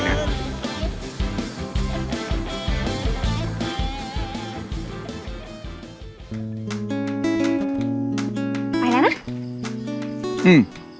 ไป